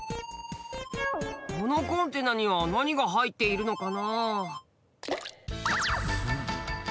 このコンテナには何が入っているのかな？